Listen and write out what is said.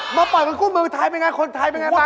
มาปล่อยเงินกู้เมืองไทยบังไงคนไทยบังไงพัง